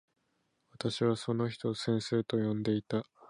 私はその人を先生と呼んでいた。